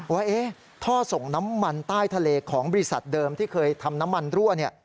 ว่าท่อส่งน้ำมันใต้ทะเลของบริษัทเดิมที่เคยทำน้ำมันรั่ว